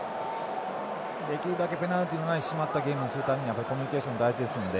できるだけペナルティーのない締まったゲームにするためにはコミュニケーション大事ですので。